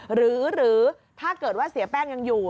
หรือถ้าเกิดว่าเสียแป้งยังอยู่